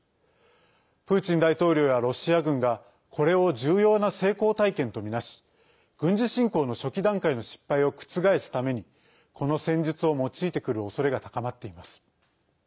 プーチン大統領やロシア軍がこれを重要な成功体験とみなし軍事侵攻の初期段階の失敗を覆すためにこの戦術を用いてくるおそれが高まっています。